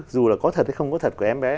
dù là có thật hay không có thật của em bé